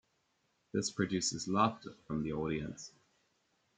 This produces laughter from the audience.